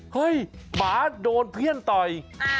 หมาโดนเพื่อนต่อย